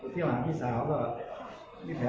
เที่ยวก้าวหายพี่สาวก็